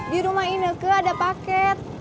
di rumah ineke ada paket